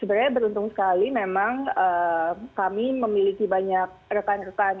sebenarnya beruntung sekali memang kami memiliki banyak rekan rekan